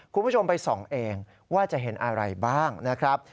คุณผู้ชมไปส่องเองว่าจะเห็นอะไรบ้างนะครับ